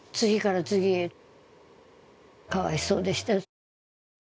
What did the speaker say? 次から次へかわいそうでしたよ。